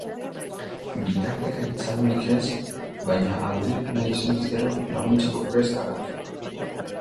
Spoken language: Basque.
Bitartekaritza lanik ez, baina aldeek nahi izanez gero laguntzeko prest agertu da.